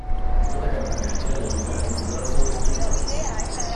Tot aquest bagatge l'ajudà a configurar el seu estil propi.